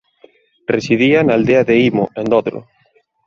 Residía na aldea de Imo en Dodro.